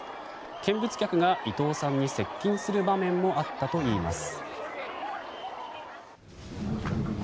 見物客が伊藤さんに接近する場面もあったといいます。